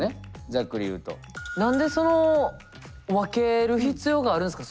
何でその分ける必要があるんすか。